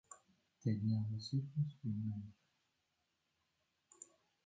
Tenía dos hijos y una hija.